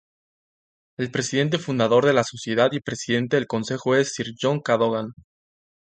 El Presidente fundador de la Sociedad y Presidente del Consejo es Sir John Cadogan.